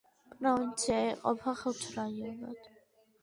პროვინცია იყოფა ხუთ რაიონად.